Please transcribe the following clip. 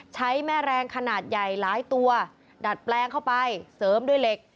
ใช้แม่แรงขนาดใหญ่หลายตัวดัดแปลงเข้าไปเสริมด้วยเหล็ก